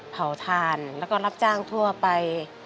เผาถ่านแล้วก็รับจ้างทั่วไป